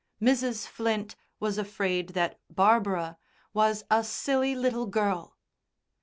Mrs. Flint was afraid that Barbara was a "silly little girl."